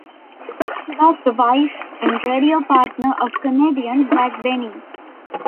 She was the wife and radio partner of comedian Jack Benny.